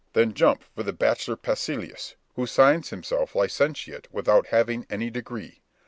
Then jump for the bachelor Pasillas, who signs himself licentiate without having any degree.